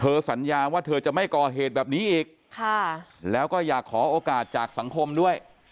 สัญญาว่าเธอจะไม่ก่อเหตุแบบนี้อีกแล้วก็อยากขอโอกาสจากสังคมด้วย